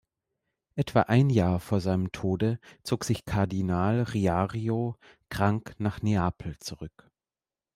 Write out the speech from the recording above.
Etwa ein Jahr vor seinem Tode zog sich Kardinal Riario krank nach Neapel zurück.